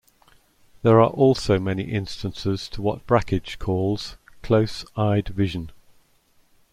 There are also many instances to what Brakhage calls "close-eyed vision".